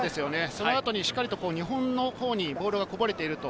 その後、しっかりと日本のほうにボールがこぼれていると。